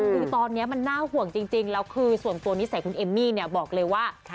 คือตอนนี้มันน่าห่วงจริงแล้วคือส่วนตัวนิสัยคุณเอมมี่เนี่ยบอกเลยว่า